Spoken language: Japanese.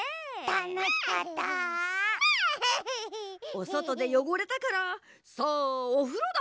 おそとでよごれたからさあおふろだ！